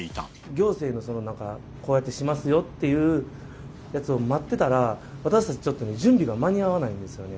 行政のこうやってしますよっていうやつを待ってたら、私たちちょっとね、準備が間に合わないんですよね。